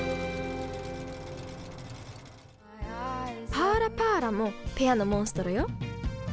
パーラ・パーラもペアのモンストロよ。